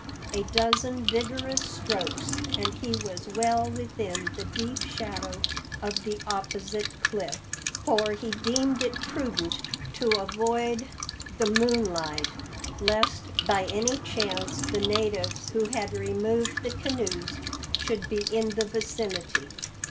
A dozen vigorous strokes, and he was well within the deep shadow of the opposite cliff, for he deemed it prudent to avoid the moonlight, lest by any chance the natives who had removed the canoes should be in the vicinity.